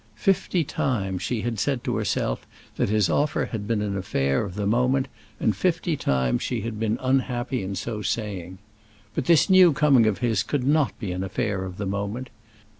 Fifty times she had said to herself that his offer had been an affair of the moment, and fifty times she had been unhappy in so saying. But this new coming of his could not be an affair of the moment.